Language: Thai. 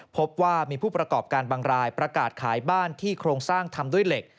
พบว่ามีผู้ประกอบการบางรายประกาศขายบ้านที่โครงสร้างทำด้วยเหล็ก